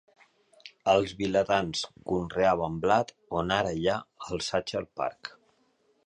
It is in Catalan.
Els vilatans conreaven blat on ara hi ha el Sacher Park.